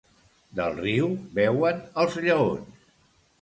Del riu beuen els lleons.